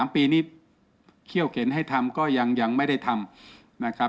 ๓ปีนี้เขี้ยวเข็นให้ทำก็ยังไม่ได้ทำนะครับ